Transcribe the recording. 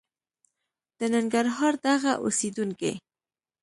د ننګرهار دغه اوسېدونکي